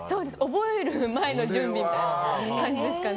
覚える前の準備みたいな感じですかね。